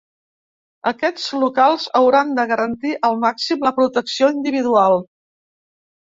Aquests locals hauran de garantir al màxim la protecció individual.